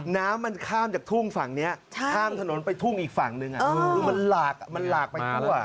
น้ำมันข้ามจากทุ่งฝั่งนี้ข้ามถนนไปทุ่งอีกฝั่งหนึ่งคือมันหลากมันหลากไปทั่ว